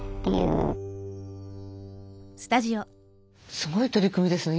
すごい取り組みですね